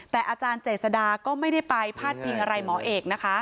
แต่อาจารย์เจษฎาก็ไม่ได้ไปพาดพิงอะไรหมอเอกนะคะ